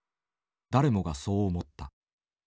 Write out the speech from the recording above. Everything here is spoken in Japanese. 誰もがそう思った。